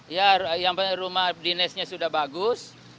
ya yang rumah dinasnya sudah bagus